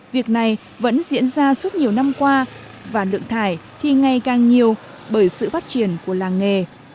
việc này vẫn diễn ra suốt nhiều năm qua và lượng thải thì ngày càng nhiều bởi sự phát triển của làng nghề